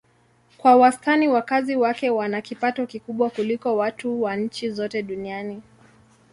Kwa wastani wakazi wake wana kipato kikubwa kuliko watu wa nchi zote duniani.